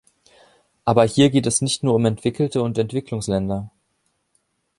Aber hier geht es nicht nur um entwickelte und Entwicklungsländer.